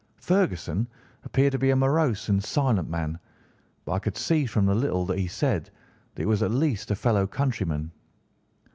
Ferguson appeared to be a morose and silent man, but I could see from the little that he said that he was at least a fellow countryman.